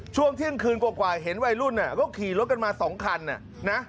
ช่วงเที่ยงคืนกว่าเห็นวัยรุ่นก็ขี่รถกันมา๒คันนะ